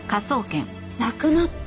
亡くなった？